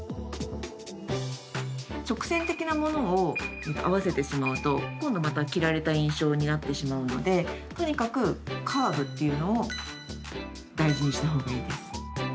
直線的なものを合わせてしまうと今度また着られた印象になってしまうのでとにかくカーブっていうのを大事にしたほうがいいです。